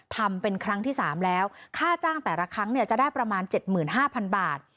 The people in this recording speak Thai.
ทำเป็นครั้งที่๓แล้วค่าจ้างแต่ละครั้งจะได้ประมาณ๗๕๐๐๐บาท